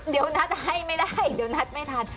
เดี๋ยวนัดให้ไม่ได้เดี๋ยวนัดไม่ทัน